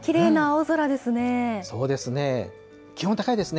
そうですね。